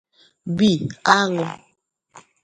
Bee — Añụ